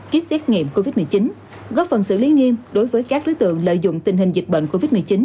kit xét nghiệm covid một mươi chín góp phần xử lý nghiêm đối với các đối tượng lợi dụng tình hình dịch bệnh covid một mươi chín